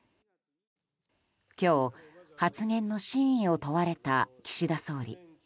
今日、発言の真意を問われた岸田総理。